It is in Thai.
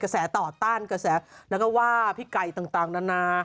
ซ่อนอะไรวะ